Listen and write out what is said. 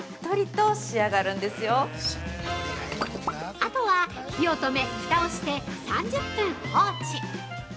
◆あとは、火を止め、ふたをして３０分放置。